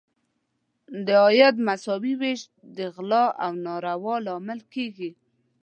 د عاید نامساوي ویش د غلا او نارواوو لامل کیږي.